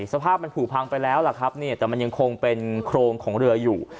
สภาพมันผูกพังไปแล้วล่ะครับเนี่ยแต่มันยังคงเป็นโครงของเรืออยู่